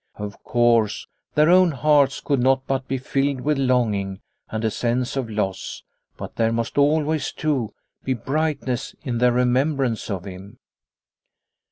Of course, their own hearts could not but be filled with longing, and a sense of loss, but there must always, too, be brightness in their remembrance of him.